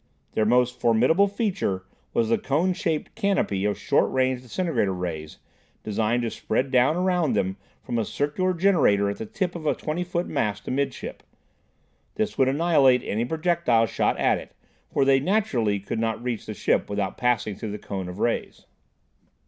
Their most formidable feature was the cone shaped "canopy" of short range disintegrator rays designed to spread down around them from a circular generator at the tip of a twenty foot mast amidship. This would annihilate any projectile shot at it, for they naturally could not reach the ship without passing through the cone of rays.